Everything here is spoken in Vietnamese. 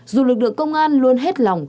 dù lực lượng công an luôn hết lòng